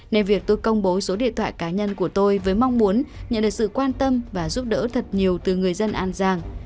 nên việc tôi công bố số điện thoại cá nhân của tôi với mong muốn nhận được sự quan tâm và giúp đỡ thật nhiều từ người dân an giang